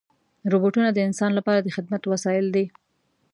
روبوټونه د انسان لپاره د خدمت وسایل دي.